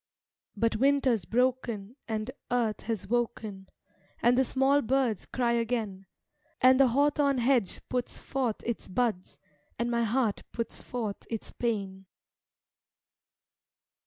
But Winter's broken and earth has woken, And the small birds cry again; And the hawthorn hedge puts forth its buds, And my heart puts forth its pain.